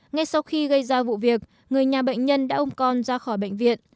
ngay sau khi gây ra vụ việc người nhà bệnh nhân đã ông con ra khỏi bệnh viện